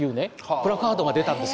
プラカードが出たんですよ。